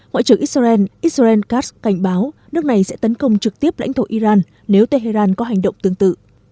ngoại trưởng israel israel kass cảnh báo nước này sẽ tấn công trực tiếp lãnh thổ iran nếu tehran có hành động tương tự